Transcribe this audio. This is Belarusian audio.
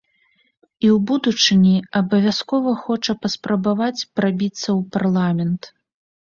І ў будучыні абавязкова хоча паспрабаваць прабіцца ў парламент.